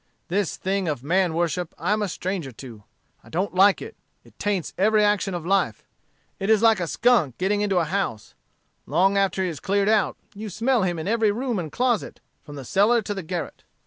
This thing of man worship I am a stranger to; I don't like it; it taints every action of life; it is like a skunk getting into a house long after he has cleared out, you smell him in every room and closet, from the cellar to the garret.